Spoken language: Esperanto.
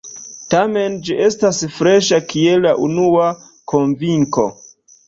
Tamen ĝi estas freŝa kiel la unua konvinko.